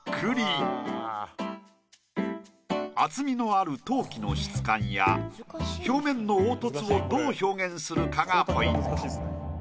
厚みのある陶器の質感や表面の凹凸をどう表現するかがポイント。